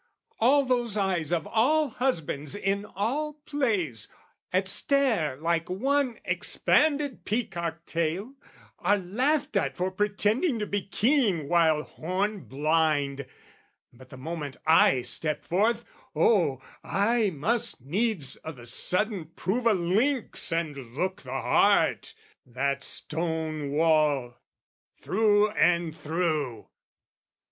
All those eyes of all husbands in all plays, At stare like one expanded peacock tail, Are laughed at for pretending to be keen While horn blind: but the moment I step forth Oh, I must needs o' the sudden prove a lynx And look the heart, that stone wall, through and through!